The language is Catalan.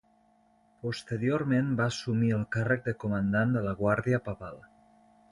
Posteriorment, va assumir el càrrec de comandant de la guàrdia papal.